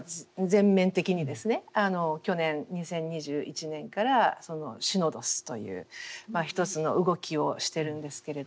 去年２０２１年からシノドスという一つの動きをしてるんですけれども。